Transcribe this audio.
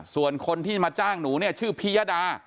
ส่วนคนที่มาจ้างหนูเนี่ยชื่อพิยดา